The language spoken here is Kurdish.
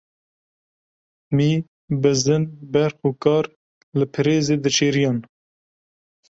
Mî, bizin, berx û kar li pirêzê diçêriyan.